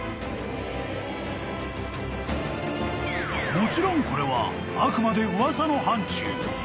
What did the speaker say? ［もちろんこれはあくまで噂の範疇］